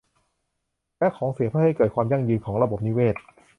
และของเสียเพื่อให้เกิดความยั่งยืนของระบบนิเวศ